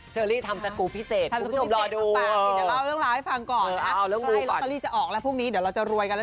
เชอรี่ทำตั๊กกูพิเศษคุณผู้ชมรอดู